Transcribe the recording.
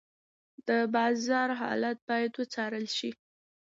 د بازار حالت باید وڅارل شي.